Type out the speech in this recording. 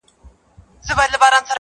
• اوس مي له هري لاري پښه ماته ده.